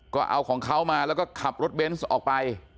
ก็เอาของเขามาแล้วก็ขับรถเบนส์ออกไป